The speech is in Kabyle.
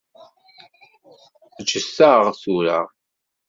Ǧǧet-aɣ tura.